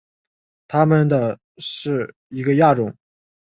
它们是的一个亚种。